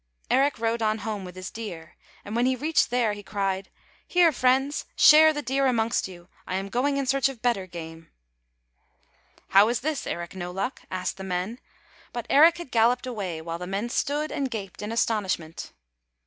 Eric rode on home with his deer, and when he reached there he cried, " Here, friends, share the deer amongst you. I am going in search of better game." [ 160 ] ERIC NO LUCK " How is this, Eric No Liick? " asked the men, but Eric had galloped away, while the men stood and gaped in astonishment.